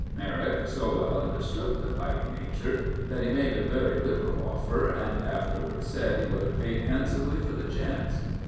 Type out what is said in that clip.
Merrick so well understood the Pike nature, that he made a very liberal offer, and afterward said he would have paid handsomely for the chance.